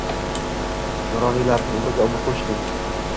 Nuroniylarning umriga umr qo‘shibng